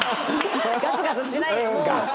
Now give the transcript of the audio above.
ガツガツしてないもう。